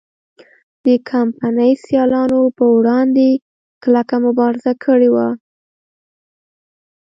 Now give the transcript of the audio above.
د کمپنۍ سیالانو پر وړاندې کلکه مبارزه کړې وه.